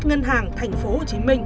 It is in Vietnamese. ngân hàng thành phố hồ chí minh